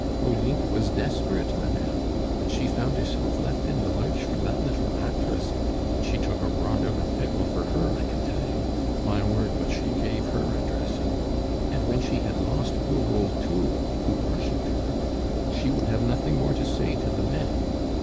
"Olympe was desperate, madame. When she found herself left in the lurch for that little actress and she took a rod out of pickle for her, I can tell you; my word, but she gave her a dressing! and when she had lost poor old Thoul, who worshiped her, she would have nothing more to say to the men.